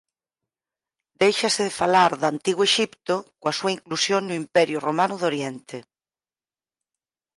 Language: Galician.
Déixase de falar de antigo Exipto coa súa inclusión no Imperio Romano de Oriente.